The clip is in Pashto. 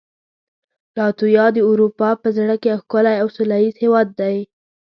لاتویا د اروپا په زړه کې یو ښکلی او سولهییز هېواد دی.